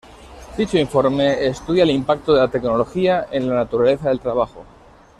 Dicho informe estudia el impacto de la tecnología en la naturaleza del trabajo.